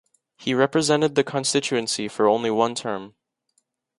He represented the Constituency for only one term.